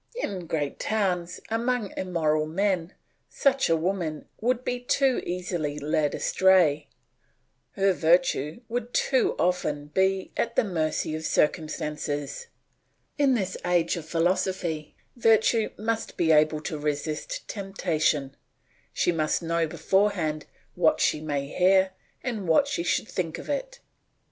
In great towns, among immoral men, such a woman would be too easily led astray; her virtue would too often be at the mercy of circumstances; in this age of philosophy, virtue must be able to resist temptation; she must know beforehand what she may hear and what she should think of it.